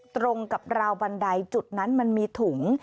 ตรงกับราวบันไดจุดนั้นมันมีถุง